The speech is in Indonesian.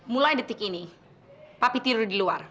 mulai detik ini papi tidur di luar